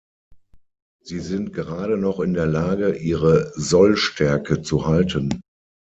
Sie sind gerade noch in der Lage, ihre Sollstärke zu halten.